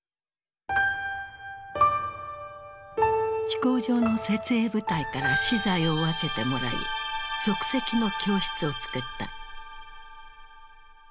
飛行場の設営部隊から資材を分けてもらい即席の教室を作った。